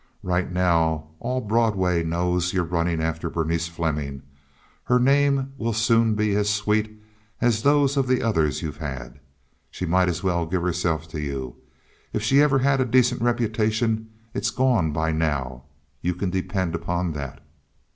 Right now all Broadway knows you're running after Berenice Fleming. Her name will soon be as sweet as those of the others you've had. She might as well give herself to you. If she ever had a decent reputation it's gone by now, you can depend upon that."